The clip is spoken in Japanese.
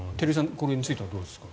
これについてはどうですか。